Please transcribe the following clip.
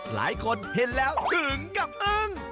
หลายคนเห็นแล้วถึงกับอึ้ง